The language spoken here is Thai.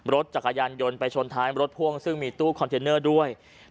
รถจักรยานยนต์ไปชนท้ายรถพ่วงซึ่งมีตู้คอนเทนเนอร์ด้วย